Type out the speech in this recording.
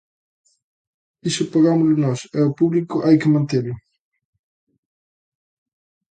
Iso pagámolo nós e o público hai que mantelo.